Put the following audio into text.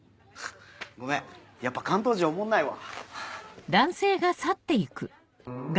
ごめんやっぱ関東人おもんないわ。